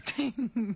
フッフフ。